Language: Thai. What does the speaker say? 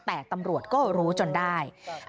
แต่ตำรวจก็รู้จนได้